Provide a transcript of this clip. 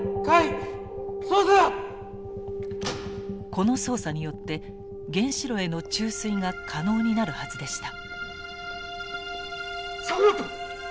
この操作によって原子炉への注水が可能になるはずでした。